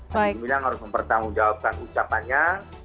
panji gumilang harus mempertanggung jawabkan ucapannya